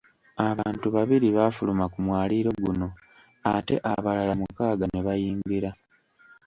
Abantu babiri baafuluma ku mwaliiro guno ate abalala mukaaga ne bayingira.